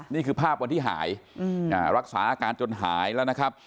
นี่คือภาพวันที่หายรักษาอาการจนหายแล้วนะครับ